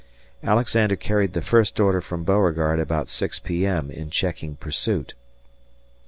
Alexander carried the first order from Beauregard about 6 P.M. in checking pursuit.